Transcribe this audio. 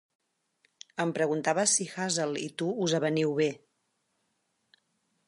Em preguntava si Hazel i tu us aveniu bé.